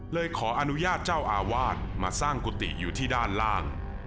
ขออนุญาตเจ้าอาวาสมาสร้างกุฏิอยู่ที่ด้านล่าง